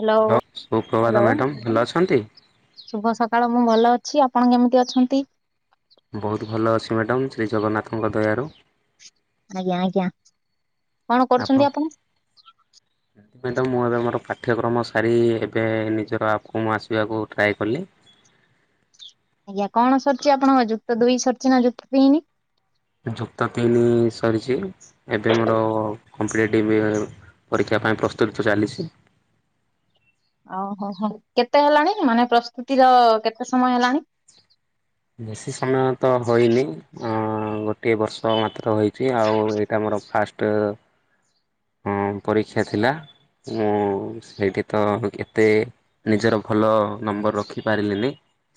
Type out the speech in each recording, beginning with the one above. Hello ହଁ ସୁପ୍ରଭାତ hello madam ଭଲ ଅଛନ୍ତି? ଶୁଭ ସକାଳ। ମୁଁ ଭଲ ଅଛି। ଆପଣ କେମିତି ଅଛନ୍ତି? ଶ୍ରୀଜଗନ୍ନାଥଙ୍କ ଦୟାରୁ ଆଜ୍ଞା ଆଜ୍ଞା। କଣ କରୁଛନ୍ତି ଆପଣ? ମ୍ୟାଡ଼ମ୍ ମୁଁ ଏବେ ମୋର ପାଠ୍ୟକ୍ରମ ସାରି ଏବେ ନିଜର ଆପ୍ କୁ ମୁଁ ଆସିବାକୁ ଟ୍ରାଏ କଲି। [inaudible] ଆଜ୍ଞା। କଣ ସରିଚି ଆପଣଙ୍କ ଯୁକ୍ତ ଦୁଇ ସରିଚି ନା ଯୁକ୍ତ ତିନି? ଯୁକ୍ତ ତିନି ସରିଚି। ଏବେ ମୋର କମ୍ପିଟେଟିଭ୍ ପରୀକ୍ଷା ପାଇଁ ପ୍ରସ୍ତୁତ ଚାଲିଛି। ଓହୋ ହୋ। କେତେ ହେଲାଣି ମାନେ ପ୍ରସ୍ତୁତିର କେତେ ସମୟ ହେଲାଣି? ବେଶୀ ସମୟ ତ ହୋଇନି। ଆଁ ଗୋଟିଏ ବର୍ଷ ମାତ୍ର ହୋଇଚି। ଆଉ ଏଇଟା ତ ଫାଷ୍ଟ ଅ ପରୀକ୍ଷା ଥିଲା। ମୁଁ ସେଇଠି ତ ଏତେ ନିଜର ଭଲ ନମ୍ବର ରଖିପାରିଲିନି।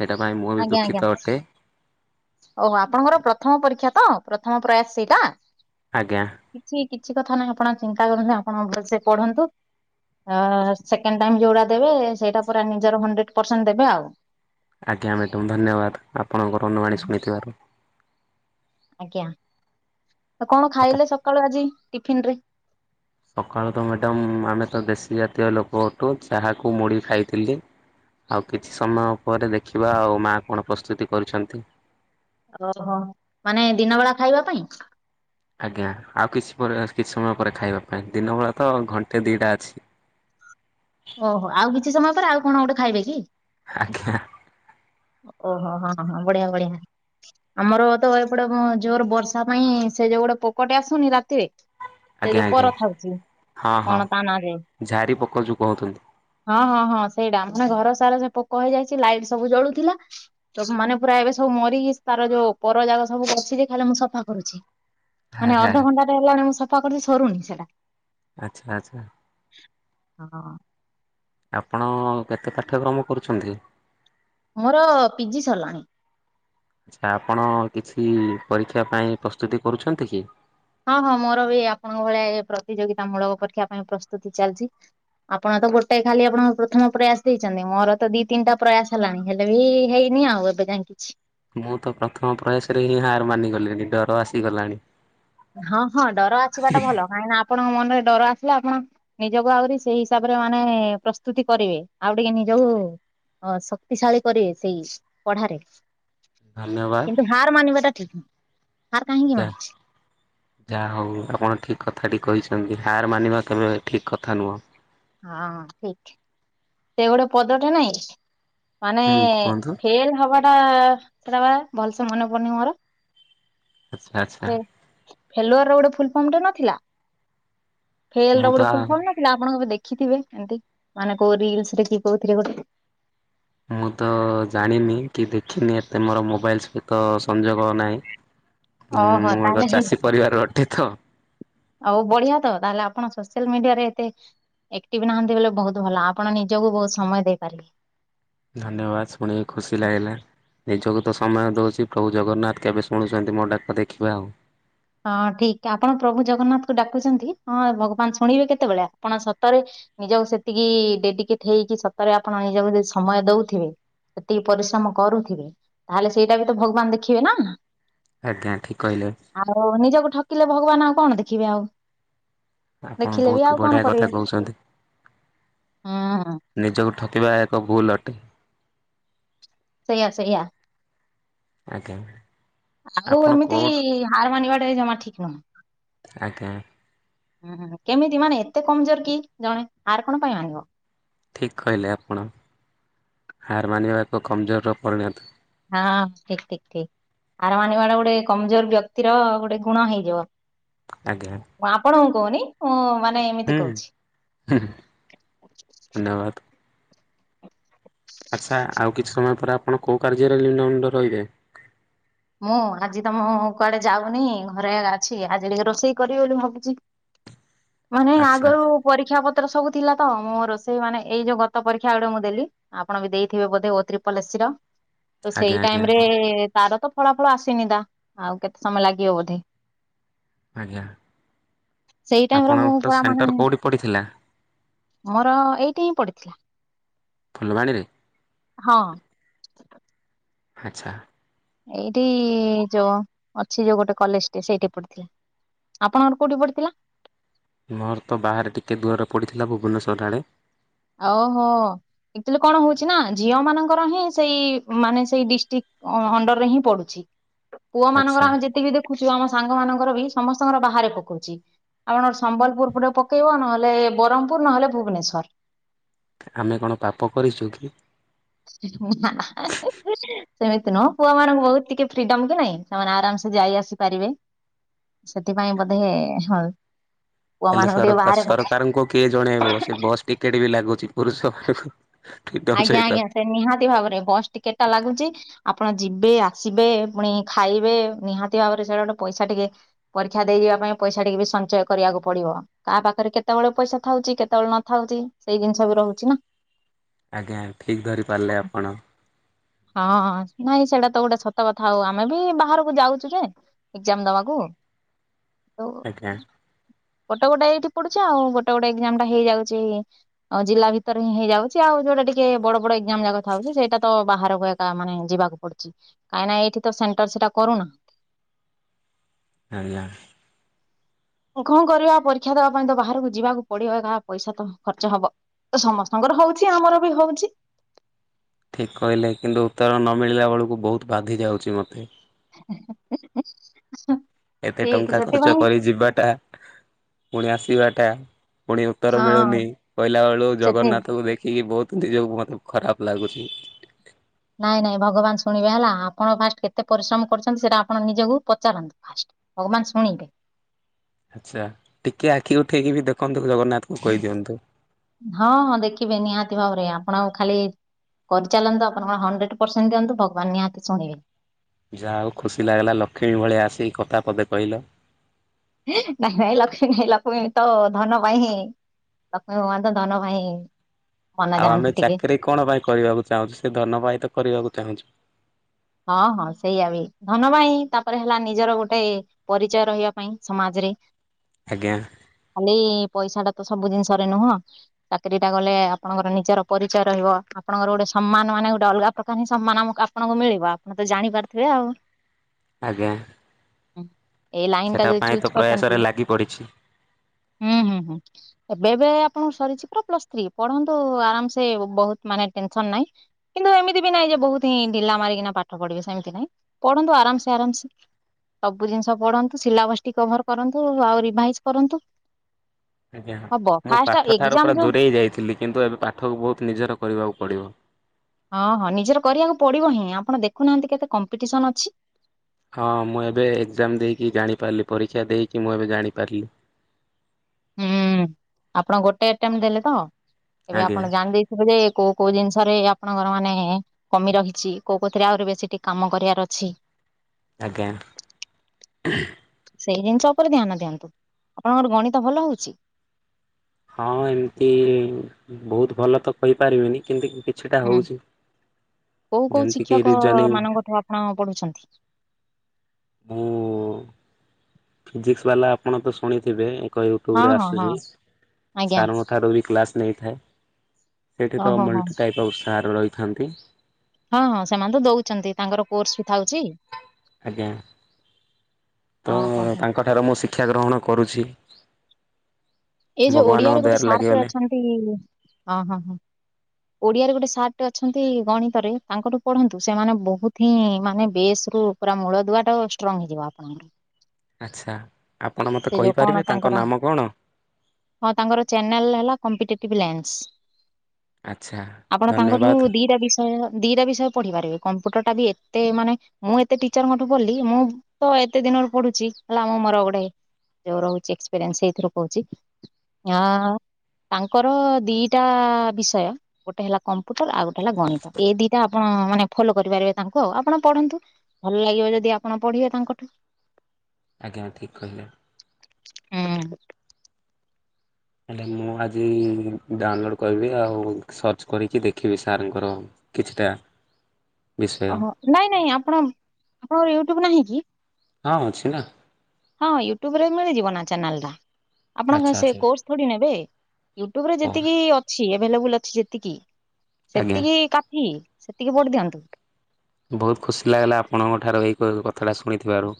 ସେଇଟା ପାଇଁ ମୁଁ ବି ଆଜ୍ଞା ଆଜ୍ଞା। ଦୁଃଖିତ ଅଟେ। ଓହୋ ଆପଣଙ୍କର ପ୍ରଥମ ପରୀକ୍ଷା ତ ପ୍ରଥମ ପ୍ରୟାସ ସେଇଟା? ଆଜ୍ଞା। କିଛି କିଛି କଥା ନାହିଁ ଆପଣ ଚିନ୍ତା କରନ୍ତୁ ଆପଣ ଭଲସେ ପଢନ୍ତୁ। ସେକେଣ୍ଡ ଟାଇମ୍ ଯଉଟା ଦେବେ ସେଇଟା ପୁରା ନିଜର ହଣ୍ଡ୍ରେଡ ପରସେଣ୍ଟ ଦେବେ ଆଉ। ଆଜ୍ଞା ମ୍ୟାଡ଼ମ୍ ଧନ୍ୟବାଦ। ଆପଣଙ୍କର ଅନୁବାଣୀ ଶୁଣିଥିବାରୁ। ଆଜ୍ଞା। କଣ ଆପ ଖାଇଲେ ସକାଳୁ ଆଜି ଟିଫିନ ରେ? ସକାଳୁ ତ ମ୍ୟାଡ଼ାମ ଆମେ ତ ଦେଶୀ ଜାତୀୟ ଲୋକ ଅଟୁ ଯାହାକୁ ମୁଢି ଖାଇଥିଲି। ଆଉ କିଛି ସମୟ ପରେ ଦେଖିବା ଆଉ ମାଆ କଣ ପ୍ରସ୍ତୁତି କରୁଛନ୍ତି। ଓହୋ ମାନେ ଦିନ ବେଳା ଖାଇବା ପାଇଁ। ଆଜ୍ଞା ଆଉ କିଛି ପରେ କିଛି ସମୟ ପରେ ଖାଇବା ପାଇଁ। ଦିନ ବଳା ତ ଘଣ୍ଟେ ଦିଟା ଅଛି। [inaudible] ଓହୋ ଆଉ କିଛି ସମୟ ପରେ ଆଉ କଣ ଗୋଟେ ଖାଇବେ କି? ଆଜ୍ଞା। ଓହୋ ହଁ ହଁ ବଢିଆ ବଢିଆ। ଆମର ତ ଏପଟେ ଜୋର ବର୍ଷା ପାଇଁ ସେ ଯୋଉ ଗୋଟେ ପୋକଟେ ଆସୁନି ରାତିରେ ସେ ଆଜ୍ଞା ଯୋଉ ଆଜ୍ଞା ପର ଖାଉଚି। ହଁ ହଁ କଣ ତା ନାଁ ଯେ ଝାରି ପୋକ ଯୋଉ କହୁଛନ୍ତି। ହଁ ହଁ ହଁ ସେଇଟା, ମାନେ ଘର ସାରା ସେ ପୋକ ହେଇଯାଇଚି ଲାଇଟ ସବୁ ଜଳୁ ଥିଲା। ତ ମାନେ ପୁରା ଏବେ ସବୁ ମରିକି ତାର ଯୋଉ ପର ଜାକ ସବୁ ବସିଛି ଖାଲି ମୁଁ ସଫା କରୁଛି। ଆରେ ମାନେ ଆରେ ଅଧଘଣ୍ଟା ଟେ ହେଲାଣି ମୁଁ ସଫା କରୁଚି ସରୁନି ସେଟା। ଆଚ୍ଛା ଆଚ୍ଛା। ହଁ। ଆପଣ କେତେ ପାଠକ୍ରମ କରୁଛନ୍ତି? ମୋର ପି ଜି ସରିଲା। ଆଛା, ଆପଣ କିଛି ପରୀକ୍ଷା ପାଇଁ ପ୍ରସ୍ତୁତି କରୁଛନ୍ତି କି? ହଁ ହଁ ମୋର ବି ଆପଣଙ୍କ ଭଳିଆ ପ୍ରତିଯୋଗିତା ମୂଳକ ପରୀକ୍ଷା ପାଇଁ ପ୍ରସ୍ତୁତି ଚାଲିଚି। ଆପଣ ତ ଗୋଟେ ଖାଲି ଆପଣଙ୍କ ପ୍ରଥମ ପ୍ରୟାସ ଦେଇଛନ୍ତି, ମୋର ତ ଦି ତିନିଟା ପ୍ରୟାସ ହେଲାଣି। ହେଲେ ବି ହେଇ ନି ଆଉ ଏବେ ଯାଏଁ କିଛି। ମୁଁ ତ ପ୍ରଥମ ପ୍ରୟାସରେ ହିଁ ହାର ମାନିଗଲିଣି ଡର ଆସିଗଲାଣି। ହଁ ହଁ ଡର ଆସିବାଟା ଭଲ କାହିଁନା ଆପ୍ ଆପଣଙ୍କ ମନରେ ଡର ଆସିଲେ ଆପଣ ନିଜକୁ ଆହୁରି ସେଇ ହିସାବରେ ମାନେ ପ୍ରସ୍ତୁତି କରିବେ। ଆଉ ଟିକେ ନିଜ ଯୋଉ ଅ ଶକ୍ତିଶାଳୀ କରିବେ ସେଇ ପଢାରେ। ଧନ୍ୟବାଦ। କିନ୍ତୁ ହାର ମାନିବା ଟା ଠିକ୍ ନୁହେଁ। ହାର କାହିଁକି ଯା ମାନିବେ? ଯାହା ହଉ ଆପଣ ଠିକ କଥାଟି କହିଛନ୍ତି। ହାର ମାନିବା କେବେ ବି ଠିକ୍ କଥା ନୁହଁ। ହଁ ଠିକ୍। ସେ ଗୋଟେ ପଦଟେ ନାଇଁ ମାନେ, ହୁଁ କୁହନ୍ତୁ ଫେଲ୍ ହବା ଟା ସେଟା ବା ଭଲ୍ ସେ ମନେ ପଡୁନି ମୋର। ଆଚ୍ଛା ଆଚ୍ଛା। ଫେଲୁଅର୍ ଗୋଟେ ଫୁଲ ଫର୍ମ ଟେ ନଥିଲା! ଫେଲ୍ ମୁଁ ର ତ ଗୋଟେ ଫୁଲ୍ ଫର୍ମ ନଥିଲା, ଆପଣ କେବେ ଦେଖ୍ ଖିଥିବେ ଏମତି, ମାନେ କୋଉ ରିଲସ୍ ରେ କି କଉଥିରେ ଗୋଟେ। ମୁଁ ତ ଜାଣିନି, କି ଦେଖିନି। ଏତେ ମୋର ମୋବାଇଲ ସହିତ ସଂଯୋଗ ନାହିଁ। ହୁଁ, ଓହୋ ମୁଁ ତାହେଲେ ଏକ ହେ ଚାଷୀ ପରିବାର ଅଟେ ତ! ଆଉ, ବଢିଆ ତ ତାହେଲେ ଆପଣ ସୋସିଆଲ ମିଡିଆରେ ଏତେ ଏକ୍ଟିଭ୍ ନାହାନ୍ତି ବଲେ, ବହୁତ ଭଲ, ଆପଣ ନିଜକୁ ବହୁତ ସମୟ ଦେଇପାରିବେ। ଧନ୍ୟବାଦ। ଶୁଣିକି ଖୁସି ଲାଗିଲା। ନିଜକୁ ତ ସମୟ ଦଉଛି, ପ୍ରଭୁ ଜଗନ୍ନାଥ କେବେ ଶୁଣୁଛନ୍ତି ମୋ ଡାକ ଦେଖିବା ଆଉ? ହଁ, ଠିକ୍ ଆପଣ ପ୍ରଭୁ ଜଗନ୍ନାଥଙ୍କୁ ଡାକୁଛନ୍ତି। ହଁ, ଭଗବାନ ଶୁଣିବେ କେତେବେଳେ? ଆପଣ ସତରେ ନିଜକୁ ସେତିକି ଡେଡିକେଟ୍ ହେଇକି ସତରେ, ଆପଣ ନିଜକୁ ଯଦି ସମୟ ଦଉଥିବେ ସେତିକି ପରିଶ୍ରମ କରୁଥିବେ, ତାହେଲେ ସେଇଟା ବି ତ ଭଗବାନ ଦେଖିବେ ନା! ଆଜ୍ଞା। ଠିକ୍ କହିଲେ। ଆଉ, ନିଜକୁ ଠକିଲେ ଭଗବାନ ଆଉ, କଣ ଦେଖିବେ ଆଉ? ଆପଣ ଦେଖିଲେ ବି ବହୁତ ଆଉ କଣ ବଢିଆ କରିବେ କଥା କହୁସନ୍ତି। ହୁଁ ହୁଁ ନିଜକୁ ଠକ୍ ଥିବା ଏକ ଭୁଲ ଅଟେ। ସେୟା ସେୟା। ଆଜ୍ଞା ଆଉ, ଆପଣ ଏମିତି କୋଉଠୁ ହାର ମାନିବାଟା ବି ଯମା ଠିକ୍ ନୁହେଁ। ଆଜ୍ଞା। ହୁଁ କେମିତି! ମାନେ ଏତେ କମଜୋର କି! ଜଣେ ହାର୍ କଣ ପାଇଁ ମାନିବ? ଠିକ୍ କହିଲେ ଆପଣ। ହାରମାନିବା ଏକ କମଜୋର୍ ର ପରିଣତ। ହଁ, ଠିକ୍ ଠିକ୍ ଠିକ୍ ହାଡ୍ ମାନିବାଡା ଗୁଡେ, କମଜୋର୍ ବ୍ୟକ୍ତିର ଗୋଟେ ଗୁଣ ହେଇଯିବ। ଆଜ୍ଞା ଆପଣଙ୍କୁ କହୁନି। ମୁଁ ମାନ୍ ନାଇଁ, ଏମିତି ହୁଁ କହୁଛି। [inaudible] ଧନ୍ୟବାଦ। ଆଚ୍ଛା, ଆଉ କିଛି ସମୟ ପରେ, ଆପଣ କୋଉ କାର୍ଯ୍ୟରେ ଲିନ ଅଣ୍ଡ ରହିିବେ? ମୁଁ, ଆଜି ତ ମୁଁ କୁଆଡେ ଯାଉନି? ଘରେ ଅଛି ଆଜି ଡ଼ିକେ ରୋଷେଇ କରିବି ବୋଲି ଭାବୁଛି! ମାନେ ଆଚ୍ଛା ଆଗରୁ ପରୀକ୍ଷା ପତ୍ ତ୍ର ସବୁ ଥିଲା ତ, ମୁଁ ରୋଷେଇ ମାନେ, ଏଇ ଯୋଉ ଗତ ପରୀକ୍ଷା ଗୋଟେ ମୁଁ ଦେଲି, ଆପଣ ବି ଦେଇଥିବେ ବୋଧେ! ଓ ତ୍ରିପଲ ଏସ୍ ସି ର। ତ, ଆଜ୍ଞା ସେଇ ଆଜ୍ଞା ଟାଇମ୍ ରେ ତାର ତ ଫଳାଫଳ ଆସିନି ତ! ଆଉ କେତେ ସମୟ ଲାଗିବ ବୋଧେ? ଆଜ୍ଞା, ସେଇ ଟାଇମ ର ମୁଁ ଆପଣଙ୍କର ପୁରା ମାନେ ସେଣ୍ଟର କଉଠି ପଡ଼ିଥିଲା? ମୋର, ଏଇଟି ହିଁ ପଡିଥିଲା। ଫୁଲବାଣୀରେ? ହଁ। ଆଚ୍ଛା। ଏଇଠି-ଇଁ ଯୋଉଁ ଅଛି ଯୋଉ ଗୋଟେ କଲେଜ ଟେ, ସେଇଠି ପଡିଥିଲା। ଆପଣଙ୍କର କୋଉଠି ପଡିଥିଲା? ମୋର ତ ବାହାରେ ଟିକେ ଦୂରରେ ପଡ଼ିଥିଲା। ଭୁବନେଶ୍ୱର ଆଡ଼େ। ଆଓହୋ! ଏକ୍ଚୁଲି କଣ ହଉଛି ନା, ଝିଅ ମାନଙ୍କର ହିଁ ସେଇ-ଇ ମାନେ, ସେଇ ଡିଷ୍ଟ୍ରିକ୍ ଅଣ୍ଡରରେ ହିଁ ପଡୁଛି। ପୁଅ ଆଚ୍ଛା ମାନଙ୍କର ଆମେ ଯେତିକି ଦେଖୁଛୁ, ଆମ ସାଙ୍ଗ ମାନଙ୍କର ବି ସମସ୍ତଙ୍କର ବାହାରେ ପକଉଛି। ଆପଣ ସମ୍ବଲପୁର ପଟେ ପକେଇବ, ନହେଲେ ବରହମ୍ପୁର, ନହେଲେ ଭୁବନେଶ୍ଵର। ଆମେ କଣ ପାପ କରିଛୁ କି? [inaudible] ସେମିତି ନୁହଁ। ପୁଅ ମାନଙ୍କୁ ବହୁତ ଟିକେ ଫ୍ରିଡମ୍ କି ନାଇଁ, ସେମାନେ ଆରାମ ସେ ଯାଇ ଆସି ପାରିବେ। ସେଥିପାଇଁ ବୋଧେ ହଁ। ପୁଅ ହେଲେ ମାନଙ୍କୁ ସର ଟିକେ ବାହାରେ ପକାଇ ସରକାରଙ୍କୁ କିଏ ଜଣେଇବ? ସେ ବସ୍ ଟିକେଟ୍ ବି ଲାଗୁଛି ପୁରୁଷ ମାନଙ୍କୁ। ଆଜ୍ଞା ଆଜ୍ଞା, ସେ ନିହାତି ଭାବରେ ବସ୍ ଟିକେଟ ଟା ଲାଗୁଛି। ଆପ୍ ଆପଣ ଯିବେ, ଆସିବେ, ପୁଣି ଖାଇବେ, ନିହାତି ଭାବରେ ସେଇଟା ଗୋଟେ, ପଇସା ଟିକେ ପରୀକ୍ଷା ଦେଇଯିବା ପାଇଁ ପଇସା ଟିକେ ବି ସଞ୍ଚୟ କରିବାକୁ ପଡିବ। କାହା ପାଖରେ କେତେବେଳେ ପଇସା ଥାଉଛି କେତେବେଳେ ନଥାଉଛି। ସେଇ ଜିନିଷ ସବୁ ରହୁଛି ନା। ଆଜ୍ଞା ଠିକ୍ ଧରି ପାରିଲେ ଆପଣ। ହଁ ନାଇଁ ସେଇଟା ତ ଗୋଟେ ସତ କଥା ଆଉ ଆମେ ବି ବାହାରକୁ ଯାଉଚୁ ଯେ ଏକଜାମ ଦବାକୁ। ହ। ଆଜ୍ଞା। ଗୋଟେ ଗୋଟେ ଏଇଠି ପଡୁଚି। ଆଉ ଗୋଟେ ଗୋଟେ ଏଜାମ ଟା ହେଇଯାଉଚି ଜିଲ୍ଲା ଭିତରେ ହିଁ ହେଇଯାଉଛି ଆଉ। ଯୋଉଟା ଟିକେ ବଡ ବଡ ଏଗଜାମ ଯାଗା ଥାଉଚି। ସେଇଟା ତ ବାହାରକୁ ମାନେ ଯିବାକୁ ପଡୁଚି। କାହଁକି ନା ଏଇଠି ତ ସ ସେନଟର ସେଟା କରୁନା। ଆଜ୍ଞା। କଣ କରିବା ପରୀକ୍ଷା ଦେବା ପାଇଁ ତ ବାହାରକୁ ଯିବାକୁ ପଡିବ। କାହା ପଇସା ତ ଖର୍ଚ୍ଚ ହବ। ତ ସମସ୍ତଙ୍କର ହଉଛି ଆମର ବି ହଉଛି। ଠିକ କହିଲେ କିନ୍ତୁ ଉତ୍ତର ନ ମିଳିଲା ବେଳକୁ ବହୁତ ବାଧି ଯାଉଚି ମତେ। ହେଁ ହେଁ ହେଁ ହେଁ। ଏତେ ଟଙ୍କା ଖର୍ଚ୍ଚ କରି ଯିବାଟା ପୁଣି ଆସିବାଟା। ପୁଣି ଉତ୍ତର ହଁ ମିଳୁନି। କହିଲା ବେଳୁକୁ ସେଠି ଜଗନ୍ନାଥଙ୍କୁ ଦେଖିକି ବହୁତ ତ ନିଜକୁ ମତେ ଖରାପ ଲାଗୁଛି। ନାଇଁ ନାଇଁ ଭଗବାନ ଶୁଣିବେ ହେଲା। ଆପଣ ଫାଷ୍ଟ କେତେ ପରିଶ୍ରମ କରିଚନ୍ତି। ସେଟା ଆପଣ ନିଜକୁ ପଚାରନ୍ତୁ ଫାଷ୍ଟ। ଭଗବାନ ଶୁଣିବେ। ଆଛା ଟିକେ ଆଖି ଉଠେଇକି ବି ଦେଖନ୍ତୁ ଜଗନ୍ନାଥଙ୍କୁ କହିଦିଅନ୍ତୁ। ହଁ ହଁ ଦେଖିବେ ନିହାତି ଭାବରେ ଆପଣଙ୍କୁ ଖାଲି କରିଚାଲନ୍ତୁ ଆପଣଙ୍କ ହଣ୍ଡ୍ରେଡ ପରସେଣ୍ଟ ଦିଅନ୍ତୁ। ଭଗବାନ ନିହାତି ଶୁଣିବେ। ଯାହା ହଉ ଖୁସି ଲାଗିଲା ଲକ୍ଷ୍ମୀ ଭଳିଆ ଆସିିକି କଥା ପଦେ କହିଲ। ନାଇଁ ନାଇଁ ଲକ୍ଷ୍ମୀ ନାଇଁ ଲକ୍ଷ୍ମୀ ତ ଧନ ପାଇଁ ହିଁ। ଲକ୍ଷ୍ମୀ ଭଗବାନ ତ ଧନ ପାଇଁ ହିଁ। ଆଉ ଆମେ ଚାକିରି କଣ ପାଇଁ କରିବାକୁ ଚାହୁଁଛୁ। ସେ ଧନ ପାଇଁ ତ କରିବାକୁ ଚାହୁଁଛୁ। ହଁ ହଁ ସେଇଆ ବି ଧନ ବାଇଁ ତାପରେ ହେଲା ନିଜର ଗୋଟେ ପରିଚୟ ରହିବା ପାଇଁ। ସମାଜ ରେ ଆଜ୍ଞା ଖାଲି ପଇସା ଟା ତ ସବୁ ଜିନିଷରେ ନୁହଁ। ଚାକିରି ଟା କଲେ ଆପଣଙ୍କର ନିଜର ପରିଚୟ ରହିବ। ଆପଣଙ୍କର ଗୋଟେ ସମ୍ମାନ ମାନେ ଗୋଟେ ଅଲଗା ପ୍ରକାର ହିଁ ସମ୍ମାନ ଆମକୁ ଆପଣଙ୍କୁ ମିଳିବ। ଆପଣ ତ ଜାଣିପାରୁଥିବେ ଆଉ। ଆଜ୍ଞା। ହୁଁ। ଏଇ ଲାଇନ ଟା ସେଟା ଯଦି ପାଇଁ ତ ଚୁଜ୍ କରିଛନ୍ତି ପ୍ରୟାସରେ ଲାଗି ପଡ଼ିଛି। ହୁଁ ହୁଁ ହୁଁ। ଏବେ ଏବେ ଆପଣଙ୍କର ସରିଛି ପରା ପ୍ଲସ୍ ଥ୍ରୀ। ପଢ଼ନ୍ତୁ ଆରାମ ସେ ବହୁତ ମାନେ ଟେନସନ ନାହିଁ। କିନ୍ତୁ ଏ ସେମିତି ବି ନାହିଁ ଯେ ବହୁତି ହିଁ ଢିଲା ମାରିକିନା ପାଠ ପଢ଼ିବେ ସେମିତି ନାଇଁ। ପଢ଼ନ୍ତୁ ଆରାମସେ ଆରାମସେ। ସବୁ ଜିନିଷ ପଢ଼ନ୍ତୁ ସିଲାବସ୍ ଟି କଭର କରନ୍ତୁ। ଆଉ ରିଭାଇଜ କରନ୍ତୁ। ଆଜ୍ଞା ହବ ମୁଁ ଫାଷ୍ଟ ପାଠ ଠାରୁ ଏକ୍ଜାମ ପୁରା ଯୋଉ ଦୂରେଇ ଯାଇଥିଲି। କିନ୍ତୁ ଏବେ ପାଠକୁ ବହୁତ ନିଜର କରିବାକୁ ପଡ଼ିବ। ହଁ ହଁ ନିଜର କରିବାକୁ ପଡ଼ିବ ହିଁ ଆପଣ ଦେଖୁନାହାନ୍ତି କେତେ କମ୍ପିଟିସନ ଅଛି। ହଁ ମୁଁ ଏବେ ଏଗଜାମ ଦେଇକି ଜାଣିପାରିଲି। ପରୀକ୍ଷା ଦେଇକି ମୁଁ ଏବେ ଜାଣିପାରିଲି। [unintelligible] ହୁଁ ଆପଣ ଗୋଟେ ଆଟେମ୍ ଦେଲେ ତ। ଏବେ ଆଜ୍ଞା ଆପଣ ଜାଣିଦେଇଥିବ ଯେ କୋଉ କୋଉ ଜିନିଷରେ ଆପଣଙ୍କର ମାନେ କମି ରହିଛି। କୋଉ କଉଥିରେ ଆହୁରି ବେଶୀ ଟିକେ କାମ କରିବାର ଅଛି। ଆଜ୍ଞା ହୁଁ। ସେଇ ଜିନିଷ ଉପରେ ଧ୍ୟାନ ଦିଅନ୍ତୁ। ଆପଣଙ୍କର ଗଣିତ ଭଲ ହଉଛି? ହଁ ଏମିତି ବହୁତ ଭଲ ତ କହିପାରିବିନି। କିନ୍ତି କିଛିଟା ହୁଁ ହଉଛି। କୋଉ କୋଉ ଯେମିତିକି ଶିକ୍ଷକ ରିଜନିଂ ମାନଙ୍କ ଠାରୁ ଆପଣ ପଢୁଛନ୍ତି? ମୁଁ ଫିଜିକ୍ସବାଲା ଆପଣ ତ ଶୁଣିଥିବେ। ତାଙ୍କ ହଁ ୟୁଟ୍ୟୁବରେ ହଁ ହଁ ଆସୁଚି। ଆଜ୍ଞା ସାର୍ ଙ୍କଠାରୁ ବି କ୍ଲାସ୍ ନେଇଥାଏ। ସେଇଠି ତ ଓହୋ ହୋ ମଲ୍ଟି ଟାଇପ୍ ର ସାର୍ ରହିଥାନ୍ତି। ହଁ ହଁ ସେମାନେ ତ ଦଉଛନ୍ତି ତାଙ୍କର କୋର୍ସ ବି ଥାଉଛି। ଆଜ୍ଞା ତ ଓହୋ ହୋ ତାଙ୍କ ଠାରୁ ମୁଁ ଶି ଶିକ୍ଷା ଗ୍ରହଣ କରୁଛି। ଏଇ ଯୋଉ ଭଗବାନଙ୍କ ଓଡିଆରେ ଗୋଟେ ଦୟାରେ ସାର୍ ଟେ ଲାଗିଗଲେ ଅଛନ୍ତି ହଁ ହଁ ହଁ। ଓଡ଼ିଆରେ ଗୋଟେ ସାର୍ ଟେ ଅଛନ୍ତି ଗଣିତରେ ତାଙ୍କଠୁ ପଢ଼ନ୍ତୁ ସେ ମାନେ ବହୁତ ହିଁ ମାନେ ବେସ୍ ରୁ ପୁରା ମୂଳ ଦୁଆ ଠୁ ଷ୍ଟ୍ରଙ୍ଗ ହେଇଯିବ ଆପଣଙ୍କର। ଆଚ୍ଛା। ଆପଣ ମୋତେ ସେ ଯୋଉ କଣ କହିପାରିବେ ତାଙ୍କ ତାଙ୍କର ନାମ କଣ ହଁ ତାଙ୍କର ଚ୍ୟାନେଲ- ହେଲା କମ୍ପିଟେ [unintelligible] ଆଚ୍ଛା ଆପଣ ତାଙ୍କଠୁ ଧନ୍ୟବାଦ ଦିଟା ବିଷୟ ଦିଟା ବିଷୟ ପଢ଼ିପାରିବି କମ୍ପ୍ୟୁଟର ଟା ବି ଏତେ ମାନେ ମୁଁ ଏତେ ଟିଚରଙ୍କଠୁ ପଢିଲି ମୁଁ ତ ଏତେ ଦିନରୁ ପଢ଼ୁଚି [inaudible] ହେଲା ମୁଁ ମୋର ଗୋଟେ ରହୁଛି ଏକ୍ସପେରିଏନ୍ସ ସେଇଥିରୁ କହୁଛି ତାଙ୍କର ଦିଟା ବିଷୟ ଗୋଟେ ହେଲା କମ୍ପ୍ୟୁଟର ଆଉ ଗୋଟେ ହେଲା ଗଣିତ ଏଇ ଦିଟା ଆପଣ ହଁ ମାନେ ଫଲୋ କରିପାରିବେ ତାଙ୍କୁ ଆଉ ଆପଣ ପଢ଼ନ୍ତୁ ଭଲ ଲାଗିବ ଯଦି ଆପଣ ପଢ଼ିବେ ତାଙ୍କଠୁ। ଆଜ୍ଞା ଠିକ୍ କହିଲେ। ହୁଁ। ହେଲେ ମୁଁ ଆଜି ଡାଉନଲୋଡ଼ କରିବି ଆଉ ସର୍ଚ୍ଚ କରିକି ଦେଖିବି ସାରଙ୍କର। କିଛିଟା ବିଷୟ ଓହୋ ନାଇଁ ନାଇଁ ଆପଣ ଆପଣଙ୍କର ୟୁଟ୍ୟୁବ ନାହିଁ କି? ହଁ ଅଛି ନା। ହଁ ୟୁଟ୍ୟୁବ୍ ରେ ମିଳିଯିବ ନା ଚ୍ୟାନେଲଟା। ଆପଣ ଆଚ୍ଛା କାଇଁ ସେ ଆଚ୍ଛା କୋର୍ସ ଥୋଡ଼ି ନେବେ ୟୁଟ୍ୟୁବରେ ହଉ ଯେତିକି- ଅଛି ଏଭେଲେବୁଲ ଅଛି ଯେତିକି ଆଜ୍ଞା। ସେତିକି କାଫି ସେତିକି ଭୋଟ ଦିଅନ୍ତୁ। ବହୁତ ଖୁସି ଲାଗିଲା ଆପଣଙ୍କ ଠାରୁ ଏଇ କଥାଟା ଶୁଣିଥିବାରୁ।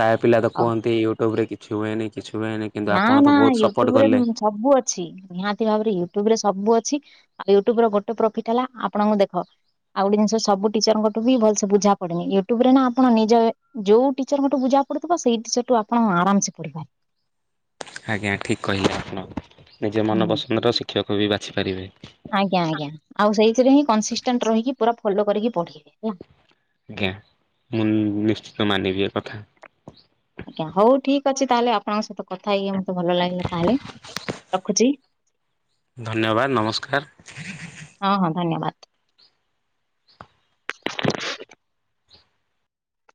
ପ୍ରାୟ ପିଲା ତ ଆଉ କୁହନ୍ତି ୟୁଟ୍ୟୁବ୍ ରେ କିଛି ହୁଏନି। କିଛି ହୁଏନି କିନ୍ତୁ ନା ଆପଣ ତ ନା ବହୁତ ସପୋର୍ଟ ୟୁଟ୍ୟୁବ୍ ରେ କଲେ। ସବୁ ଅଛି ନିହାତି ଭାବରେ ୟୁଟୁବ୍ ରେ ସବୁ ଅଛି। ଆଉ ୟୁଟ୍ୟୁବର ଗୋଟେ ପ୍ରଫିଟ ହେଲା ଆପଣଙ୍କୁ ଦେଖ ଆଉ ଗୋଟେ ଜିନିଷ ସବୁ ଟିଚରଙ୍କଠୁ ବି ଭଲସେ ବୁଝା ପଡ଼ୁନି ୟୁଟ୍ୟୁବ ରେ ନା ଆପଣ ନିଜ ଯୋଉ ଟିଚରଙ୍କଠୁ ବୁଝା ସେଇ ଟିଚର୍ସ ଆପଣ ଆରାମସେ ପଢ଼ି ପାରିବେ। ଆଜ୍ଞା ଠିକ୍ କହିଲେ ଆପଣ ନିଜ ହୁଁ। ମନପସନ୍ଦର ଶିକ୍ଷକ ବି ବାଛି ପାରିବେ। ଆଜ୍ଞା ଆଜ୍ଞା ଆଉ ସେଇଥିରେ ହଁ କନସିଷ୍ଟାଣ୍ଟ ରହିକି ପୁରା ଫଲୋ କରିକି ପଢ଼ିବେ ହେଲା। ଆଜ୍ଞା ମୁଁ ନିଶ୍ଚିତ ମାନିବି ଏ କଥା। ଆଜ୍ଞା ହଉ ଠିକ ଅଛି ତାହେଲେ ଆପଣଙ୍କ ସହିତ କଥା ହେଇକି ମତେ ଭଲ ଲାଗିଲା ତାହେଲେ ରଖୁଛି। ଧନ୍ୟବାଦ ନମସ୍କାର। ହଁ ହଁ ଧନ୍ୟବାଦ